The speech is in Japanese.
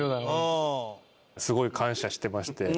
すごい感謝してまして。